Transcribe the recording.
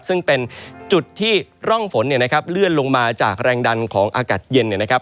ซึ่งเป็นจุดที่ร่องฝนเนี่ยนะครับเลื่อนลงมาจากแรงดันของอากาศเย็นเนี่ยนะครับ